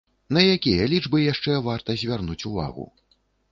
На якія лічбы яшчэ варта звярнуць увагу?